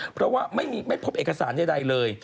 เพราะว่าไม่พบเอกสารใดเลย